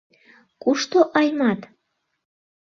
— Кушто Аймат?